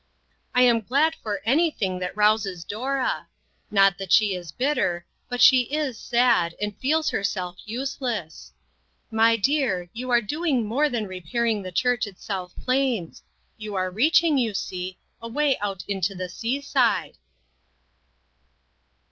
I am glad for anything that rouses Dora; not that she is bitter, but she is sad, and feels herself use less. My dear, you are doing more than repairing the church at South Plains ; you are reaching, you see, away out to the sea side."